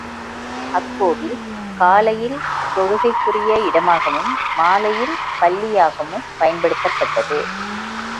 அக்கோவில் காலையில் தொழுகைக்குரிய இடமாகவும், மாலையில் பள்ளியாகவும் பயன்படுத்தப்பட்டது.